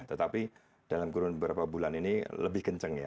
tetapi dalam kurun beberapa bulan ini lebih kencang ya